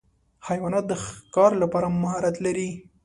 حیوانات د ښکار لپاره مهارت لري.